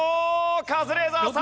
カズレーザーさん。